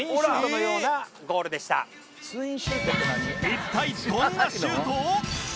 一体どんなシュート？